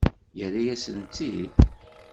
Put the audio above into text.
Yerra-yasent-t-id?